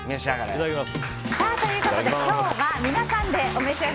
いただきます。